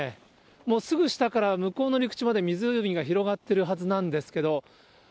もうすぐ下から向こうの陸地まで湖が広がってるはずなんですけど。